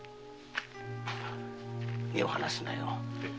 目を離すなよ。